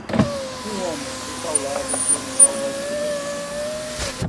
Um homem fica ao lado de um salva-vidas.